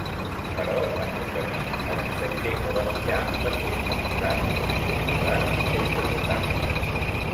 Però en el camí, el missatger que va enviar va ser capturat, torturat i executat.